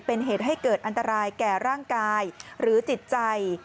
เป็นเหตุให้เกิดอันตรายแก่ร่างกายหรือจิตใจ